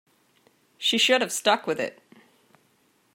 She should have stuck with it.